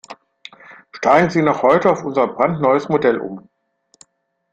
Steigen Sie noch heute auf unser brandneues Modell um!